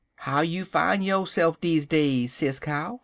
"'How you fine yo'se'f deze days, Sis Cow?'